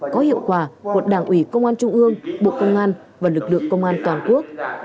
có hiệu quả của đảng ủy công an trung ương bộ công an và lực lượng công an toàn quốc